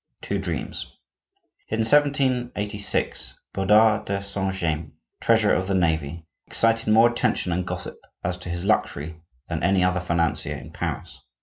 TWO DREAMS In 1786 Bodard de Saint James, treasurer of the navy, excited more attention and gossip as to his luxury than any other financier in Paris.